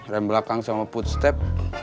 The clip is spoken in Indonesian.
rem belakang sama footstep